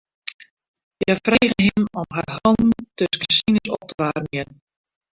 Hja frege him om har hannen tusken sines op te waarmjen.